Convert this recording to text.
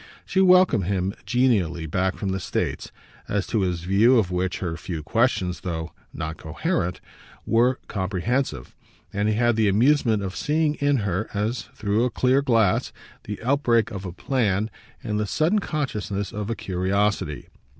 She welcomed him genially back from the States, as to his view of which her few questions, though not coherent, were comprehensive, and he had the amusement of seeing in her, as through a clear glass, the outbreak of a plan and the sudden consciousness of a curiosity.